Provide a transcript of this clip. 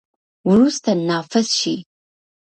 وروسته، نافذ شي.